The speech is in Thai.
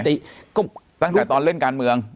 ตั้งแต่ตอนเล่นการเมือง